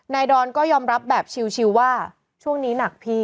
ดอนก็ยอมรับแบบชิลว่าช่วงนี้หนักพี่